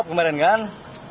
tadi kemarin kan